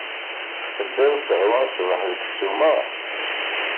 Tedda lqahwa n ṣṣbeḥ deg ssuma?